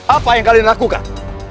apa yang kalian lakukan